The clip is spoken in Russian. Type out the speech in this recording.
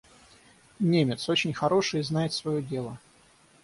Немец, очень хороший и знает свое дело.